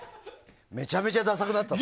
めちゃめちゃダサくなったの。